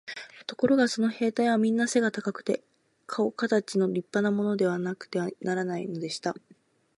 ところがその兵隊はみんな背が高くて、かおかたちの立派なものでなくてはならないのでした。